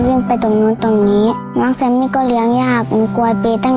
เรื่องต่อไปขึ้นเรื่อง